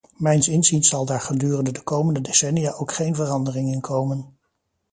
Mijns inziens zal daar gedurende de komende decennia ook geen verandering in komen.